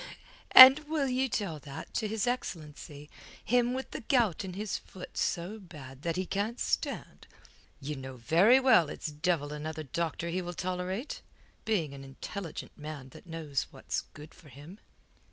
"And will ye tell that to his excellency, him with the gout in his foot so bad that he can't stand? Ye know very well it's devil another doctor will he tolerate, being an intelligent man that knows what's good for him."